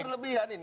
ini berlebihan ini